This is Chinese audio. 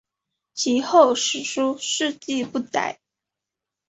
其后史书事迹不载。